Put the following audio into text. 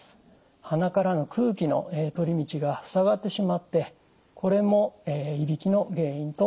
鼻からの空気の通り道がふさがってしまってこれもいびきの原因となります。